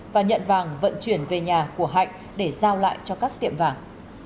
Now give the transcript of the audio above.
và nhận vàng vận chuyển về nhà của hạnh để giao lại cho các tiệm vàng